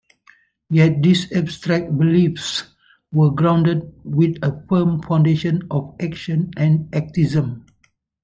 Yet, these abstract beliefs were grounded with a firm foundation of action and activism.